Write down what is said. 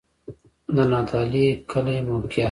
د نادعلي کلی موقعیت